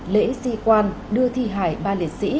lễ di quan đưa thi hải ba liệt sĩ